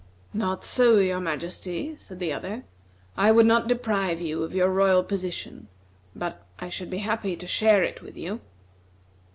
"Not so, your majesty," said the other; "I would not deprive you of your royal position, but I should be happy to share it with you."